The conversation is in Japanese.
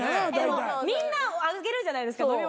みんなあげるじゃないですか飲み物とか。